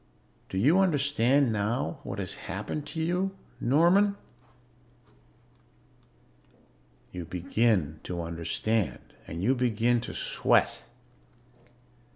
"Do you understand now what has happened to you, Norman?" You begin to understand. And you begin to sweat.